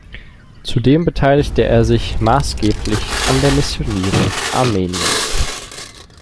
Zudem beteiligte er sich maßgeblich an der Missionierung Armeniens.